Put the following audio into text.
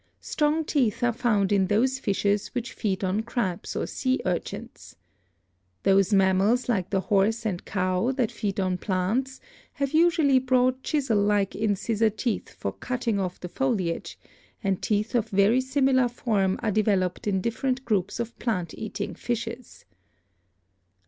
Strong teeth are found in those fishes which feed on crabs or sea urchins. Those mammals like the horse and cow, that feed on plants, have usually broad chisel like incisor teeth for cutting off the foliage, and teeth of very similar form are developed in different groups of plant eating fishes.